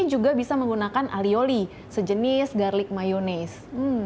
anda juga bisa menggunakan alioli sejenis garlic mayonnaise